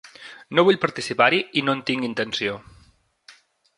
No vull participar-hi i no en tinc intenció.